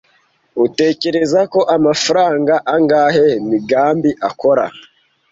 Utekereza ko amafaranga angahe Migambi akora?